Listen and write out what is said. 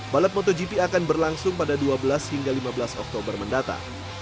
balap motogp akan berlangsung pada dua belas hingga lima belas oktober mendatang